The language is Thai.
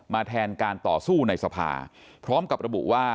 แทนการต่อสู้ในสภาพร้อมกับระบุว่า